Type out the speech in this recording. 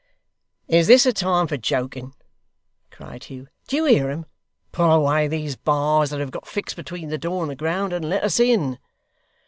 'Is this a time for joking?' cried Hugh. 'Do you hear 'em? Pull away these bars that have got fixed between the door and the ground; and let us in.